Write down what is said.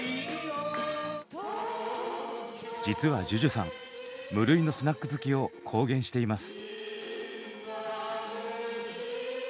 実はＪＵＪＵさん無類のスナック好きを公言しています。